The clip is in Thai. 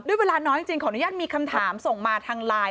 เวลาน้อยจริงขออนุญาตมีคำถามส่งมาทางไลน์